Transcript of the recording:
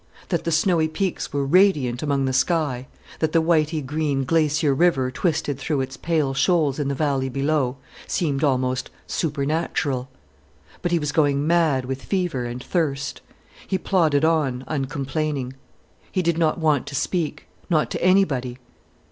That the snowy peaks were radiant among the sky, that the whity green glacier river twisted through its pale shoals, in the valley below, seemed almost supernatural. But he was going mad with fever and thirst. He plodded on uncomplaining. He did not want to speak, not to anybody.